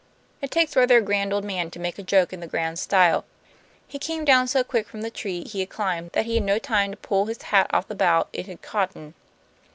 It takes rather a grand old man to make a joke in the grand style. He came down so quick from the tree he had climbed that he had no time to pull his hat off the bough it had caught in.